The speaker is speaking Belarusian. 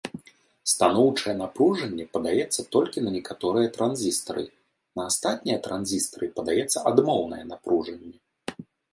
Станоўчае напружанне падаецца толькі на некаторыя транзістары, на астатнія транзістары падаецца адмоўнае напружанне.